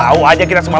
tahu aja kita semalam